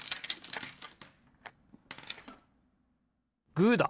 グーだ！